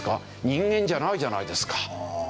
人間じゃないじゃないですか。